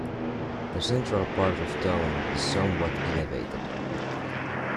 The central part of town is somewhat elevated.